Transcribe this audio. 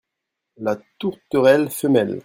La tourterelle femelle.